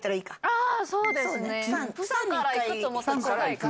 ああ、そうですね。